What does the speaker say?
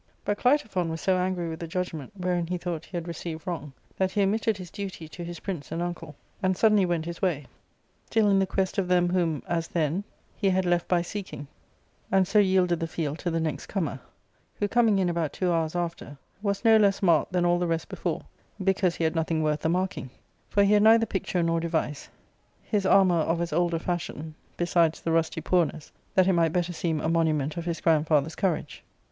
But Qitophon w^s so ai\gry with the judgment, / wherein he thought he had received wrong, that he omitted >J his duty to his prince and uncle, and suddenly went his way, still in the quest of them whom, as then, he had left by seek^ ing, and so yielded the field to the next comer, who, coming in about two hours after, was no less marked than all the rest before, because he had nothing worth the marking ; for he had neither picture nor device, his armour of as old a / fashion, besides the rusty poorness, that it might better seem / a monument of his grandfather's courage.